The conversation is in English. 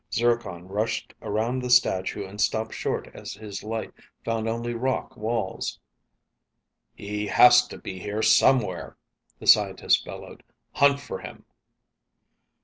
Zircon rushed around the statue and stopped short as his light found only rock walls. "He has to be here somewhere," the scientist bellowed. "Hunt for him!"